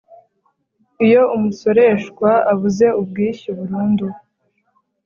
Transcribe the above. iyo umusoreshwa abuze ubwishyu burundu